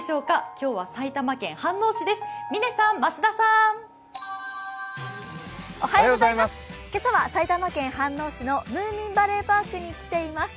今朝は埼玉県飯能市のムーミンバレーパークに来ています。